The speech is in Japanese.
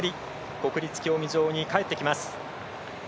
国立競技場に帰ってきます。